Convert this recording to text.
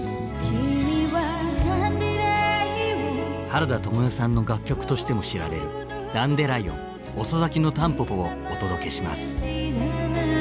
原田知世さんの楽曲としても知られる「ダンデライオン遅咲きのたんぽぽ」をお届けします。